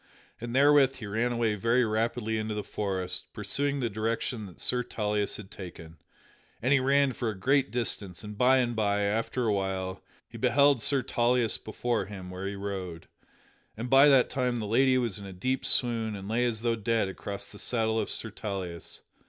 And therewith he ran away very rapidly into the forest, pursuing the direction that Sir Tauleas had taken. And he ran for a great distance, and by and by, after a while, he beheld Sir Tauleas before him where he rode. And by that time the lady was in a deep swoon and lay as though dead across the saddle of Sir Tauleas.